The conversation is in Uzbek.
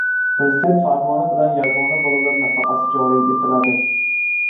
Prezident farmoni bilan yagona bolalar nafaqasi joriy etiladi